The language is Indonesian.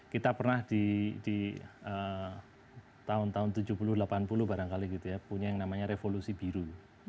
kita pernah di tahun tahun tujuh puluh delapan puluh barangkali gitu ya punya yang namanya revolusi biru